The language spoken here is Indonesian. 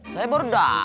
saya baru datang pak ji